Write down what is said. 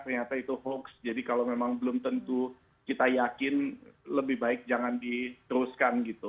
ternyata itu hoax jadi kalau memang belum tentu kita yakin lebih baik jangan diteruskan gitu